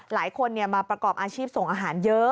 หลายคนมาประกอบอาชีพส่งอาหารเยอะ